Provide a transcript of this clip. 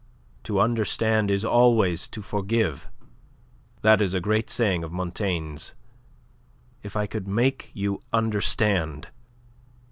To understand is always to forgive. That is a great saying of Montaigne's. If I could make you understand..."